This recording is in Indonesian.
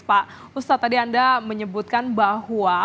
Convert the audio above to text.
pak ustadz tadi anda menyebutkan bahwa